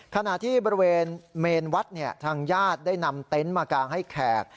ขณะที่บริเวณเมนวัดทางญาติได้นำเต็นต์มากางให้แขก